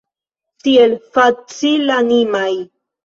Tiel facilanimaj!